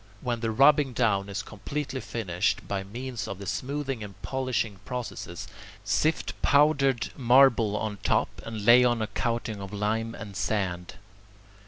When the rubbing down is completely finished by means of the smoothing and polishing processes, sift powdered marble on top, and lay on a coating of lime and sand.